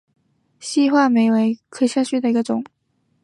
细画眉草为禾本科细画眉草属下的一个种。